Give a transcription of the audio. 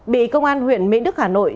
bị công an huyện mỹ đức hà nội